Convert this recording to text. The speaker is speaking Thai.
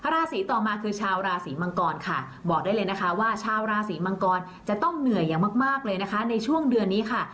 ราศีต่อมาคือชาวราศีมังกรค่ะบอกได้เลยนะคะว่าชาวราศีมังกรจะต้องเหนื่อยอย่างมากเลยนะคะในช่วงเดือนนี้ค่ะ